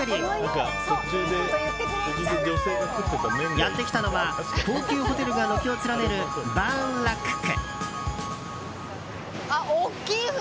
やってきたのは、高級ホテルが軒を連ねるバーンラック区。